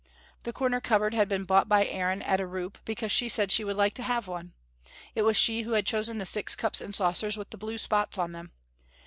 The corner cupboard had been bought by Aaron at a roup because she said she would like to have one; it was she who had chosen the six cups and saucers with the blue spots on them.